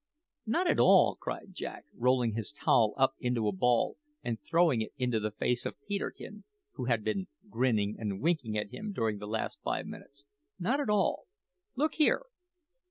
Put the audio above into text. "Not at all," cried Jack, rolling his towel up into a ball and throwing it into the face of Peterkin, who had been grinning and winking at him during the last five minutes "not at all. Look here.